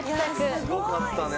すごかったね。